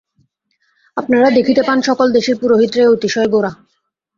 আপনারা দেখিতে পান, সকল দেশের পুরোহিতরাই অতিশয় গোঁড়া।